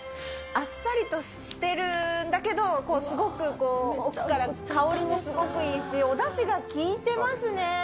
あっさりとしてるんだけど、すごく奥から香りもすごくいいし、おだしが効いてますね。